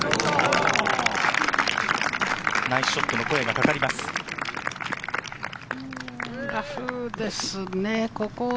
ナイスショットの声がかかります。